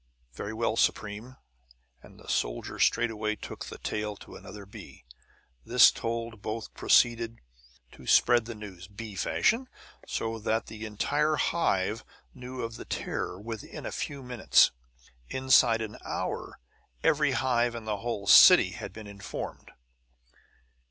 "Very well, Supreme." And the soldier straightway took the tale to another bee. This told, both proceeded to spread the news, bee fashion; so that the entire hive knew of the terror within a few minutes. Inside an hour every hive in the whole "city" had been informed.